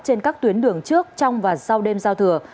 trên các tuyến đường trước trong và sau đêm giao thừa